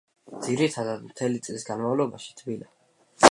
ძირითადად, მთელი წლის განამვლობაში თბილა.